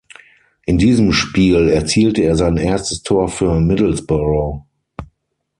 In diesem Spiel erzielte er sein erstes Tor für Middlesbrough.